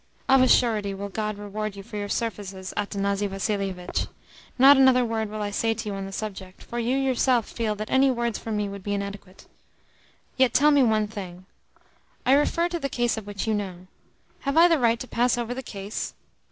"Of a surety will God reward you for your services, Athanasi Vassilievitch! Not another word will I say to you on the subject, for you yourself feel that any words from me would be inadequate. Yet tell me one thing: I refer to the case of which you know. Have I the right to pass over the case?